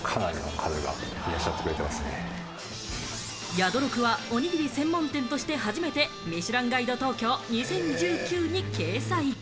宿六はおにぎり専門店として初めて『ミシュランガイド東京２０１９』に掲載。